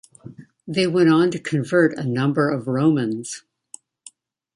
They went on to convert a number of Romans.